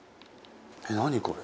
えっ何これ？